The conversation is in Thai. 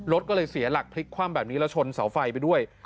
รถก็เลยเสียหลักพลิกคว่ำแบบนี้แล้วชนเสาไฟไปด้วย